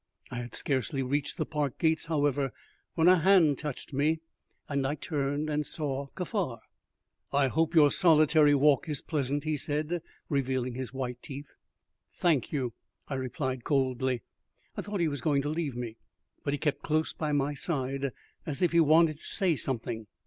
I had scarcely reached the park gates, however, when a hand touched me. I turned and saw Kaffar. "I hope your solitary walk is pleasant," he said, revealing his white teeth. "Thank you," I replied coldly. I thought he was going to leave me, but he kept close by my side, as if he wanted to say something.